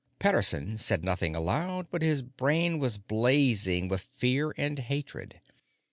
Pederson said nothing aloud, but his brain was blazing with fear and hatred.